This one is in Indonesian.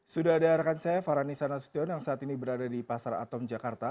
sudah ada rekan saya farhanisa nasution yang saat ini berada di pasar atom jakarta